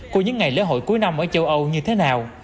của những ngày lễ hội cuối năm ở châu âu như thế nào